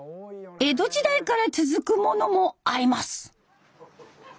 江戸時代から続くものもあります。